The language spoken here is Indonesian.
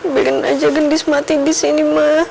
biarin aja gendis mati di sini ma